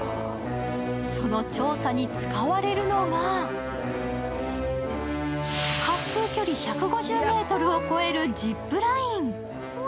その調査に使われるのが滑空距離１５０ｍを超えるジップライン。